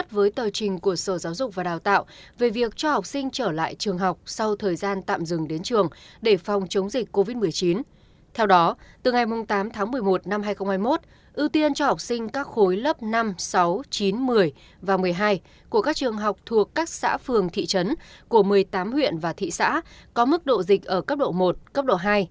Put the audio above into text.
từ ngày tám tháng một mươi một năm hai nghìn hai mươi một ưu tiên cho học sinh các khối lớp năm sáu chín một mươi và một mươi hai của các trường học thuộc các xã phường thị trấn của một mươi tám huyện và thị xã có mức độ dịch ở cấp độ một cấp độ hai